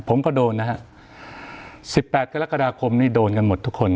ผมก็โดนนะฮะสิบแปดกรกฎาคมนี่โดนกันหมดทุกคน